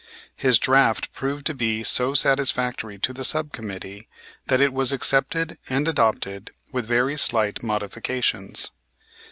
His draft proved to be so satisfactory to the sub committee that it was accepted and adopted with very slight modifications.